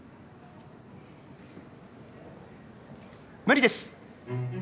無理です。